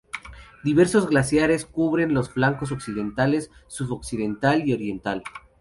Diversos glaciares cubren los flancos occidental, sudoccidental y oriental.